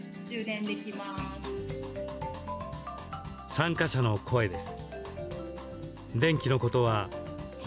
参加者の声です。